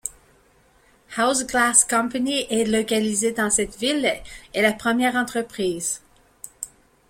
Houze Glass Co., est localisé dans cette ville, est la première entreprise.